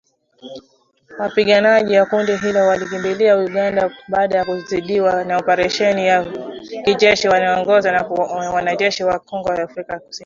Wapiganaji wa kundi hilo walikimbilia Uganda baada ya kuzidiwa na oparesheni ya kijeshi yaliyoongozwa na wanajeshi wa Kongo na Afrika kusini